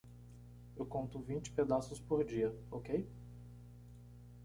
Eu conto vinte pedaços por dia, ok?